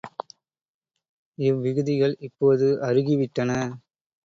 இவ்விகுதிகள் இப்போது அருகிவிட்டன.